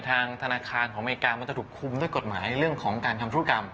ทางธนาคารของอเมริกามันจะถูกคุมด้วยกฎหมายเรื่องของการทำธุรกรรม